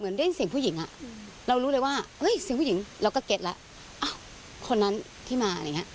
นะครับน้องก็วิ่งต่อด้วยการ